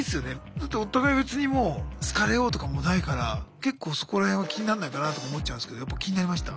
だってお互い別にもう好かれようとかもないから結構そこら辺は気になんないかなとか思っちゃうんですけどやっぱ気になりました？